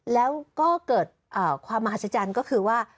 แล้วก็เกิดความมหัศจรรย์ก็คือว่า